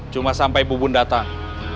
cuma sampai bobon datang